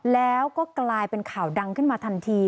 แล้วก็กลายเป็นข่าวดังขึ้นมาทันที